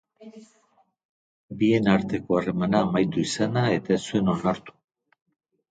Bien arteko harremana amaitu izana ere ez zuen onartu.